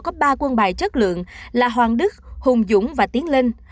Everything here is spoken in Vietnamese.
có ba quân bài chất lượng là hoàng đức hùng dũng và tiến lên